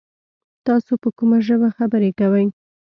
تاسو په کومه ژبه خبري کوی ؟